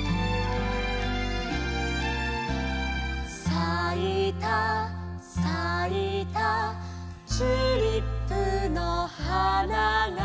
「さいたさいたチューリップの花が」